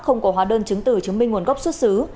không có hóa đơn chứng từ chứng minh nguồn gốc xuất xứ